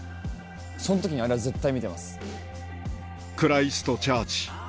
その時にあれは絶対見てます。